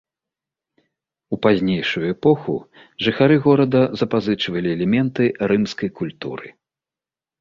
У пазнейшую эпоху жыхары горада запазычвалі элементы рымскай культуры.